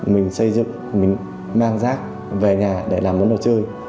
mình xây dựng mình mang rác về nhà để làm một đồ chơi